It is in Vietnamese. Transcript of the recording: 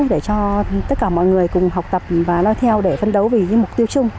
để cho tất cả mọi người cùng học tập và lo theo để phân đấu vì mục tiêu chung